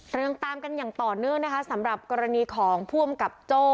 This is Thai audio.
ยังตามกันอย่างต่อเนื่องนะคะสำหรับกรณีของผู้อำกับโจ้